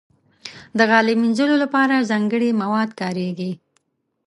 د غالۍ مینځلو لپاره ځانګړي مواد کارېږي.